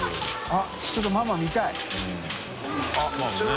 あっちょっとママ見たい。